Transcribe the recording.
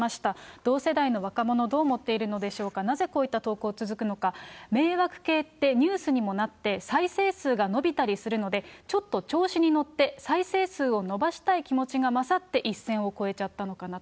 同世代の若者、どう思っているのでしょうか、なぜこういった投稿続くのか、迷惑系ってニュースにもなって、再生数が伸びたりするので、ちょっと調子に乗って、再生数を伸ばしたい気持ちが勝って一線を越えちゃったのかなと。